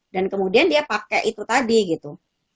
dan kemudian dia pakai itu tadi gitu